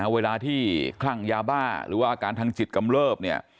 เวลาที่คลั่งยาบ้าหรือว่าอาการทางจิตกำเลิบเนี่ย